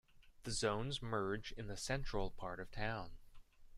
The zones merge in the central part of town.